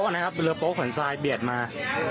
เรือโป๊ะนะครับเรือโป๊ะของสายเบียดมา